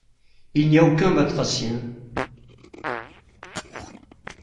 Il n’y a aucun batracien.